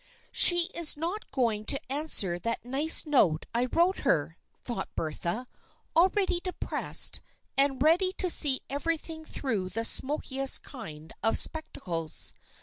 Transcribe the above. " She is not going to answer that nice note I wrote her," thought Bertha, already depressed, and ready to see everything through the smokiest kind of spectacles.